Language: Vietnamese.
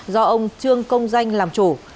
do ông trương công danh làm chủ